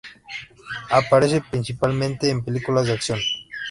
Aparece principalmente en películas de acción.